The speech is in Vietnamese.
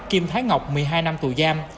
kim thái ngọc một mươi hai năm tù giam